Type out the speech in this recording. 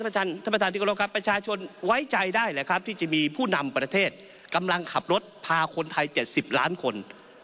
ท่านประธานที่กรบครับประชาชนไว้ใจได้แหละครับที่จะมีผู้นำประเทศกำลังขับรถพาคนไทย๗๐ล้านคน